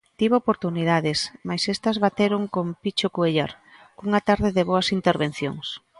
Tivo oportunidades, mais estas bateron con Pichu Cuellar, cunha tarde de boas intervencións.